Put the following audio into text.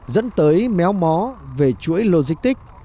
dẫn tới méo mó về chuỗi logistics